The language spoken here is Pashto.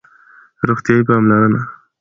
روغتیایی پاملرنه